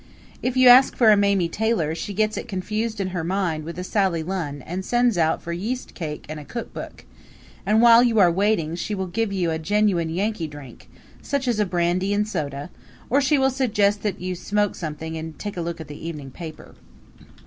If you ask for a Mamie Taylor she gets it confused in her mind with a Sally Lunn and sends out for yeastcake and a cookbook; and while you are waiting she will give you a genuine Yankee drink, such as a brandy and soda or she will suggest that you smoke something and take a look at the evening paper.